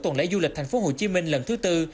tuần lễ du lịch tp hcm lần thứ bốn